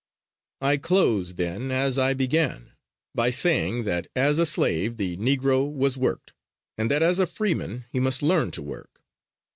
I close, then, as I began, by saying that as a slave the Negro was worked, and that as a freeman he must learn to work.